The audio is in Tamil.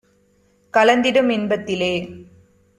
கலந்திடும் இன்பத் திலே.